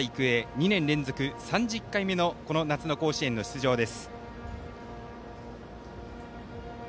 ２年連続３０回目の夏の甲子園の出場です。